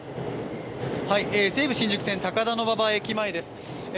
西武新宿線・高田馬場駅前です。